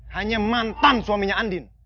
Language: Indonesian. hanya mantan suaminya andin